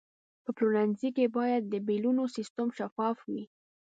په پلورنځي کې باید د بیلونو سیستم شفاف وي.